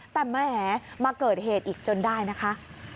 แต่แหมมาเกิดเหตุอีกจนได้นะคะ